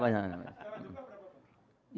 banyak lah pokoknya sudah